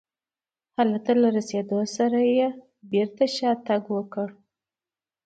هلته له رسېدو سره یې بېرته شاتګ وکړ.